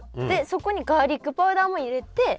でそこにガーリックパウダーも入れて。